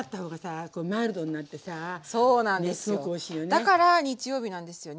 だから日曜日なんですよ。